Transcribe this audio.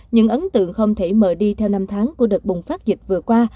những ấn tượng không thể mờ đi theo năm tháng của đợt bùng phát dịch vừa qua